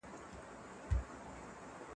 چې راغونډ به موږ كوچنيان وو